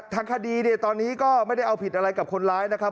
ทางคดีเนี่ยตอนนี้ก็ไม่ได้เอาผิดอะไรกับคนร้ายนะครับ